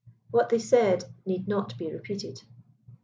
What they said need not be repeated.